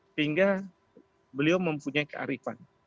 sehingga beliau mempunyai kearifan